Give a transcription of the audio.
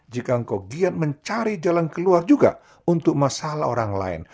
jika engkau gian mencari jalan keluar juga untuk masalah orang lain